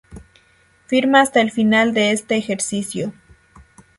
Firma hasta el final de este ejercicio.